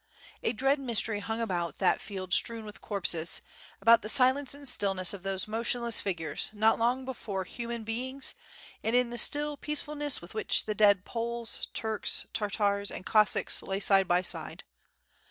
A dread mystery hung about that field strewn with corpses, about the silence and stillness of those motionless figures not long before human beings, and in the still peace fullness with which the dead Poles, Turks, Tartars, and Cos sacks lay side by side.